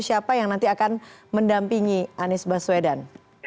siapa yang nanti akan mendampingi anies baswedan